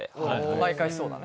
毎回そうだね。